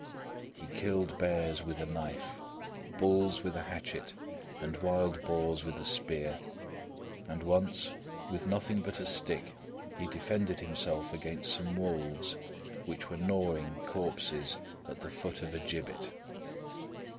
He killed bears with a knife, bulls with a hatchet, and wild boars with a spear; and once, with nothing but a stick, he defended himself against some wolves, which were gnawing corpses at the foot of a gibbet.